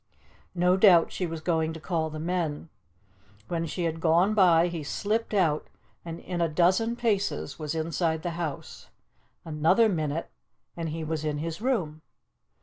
No doubt she was going to call the men. When she had gone by he slipped out, and in a dozen paces was inside the house. Another minute and he was in his room.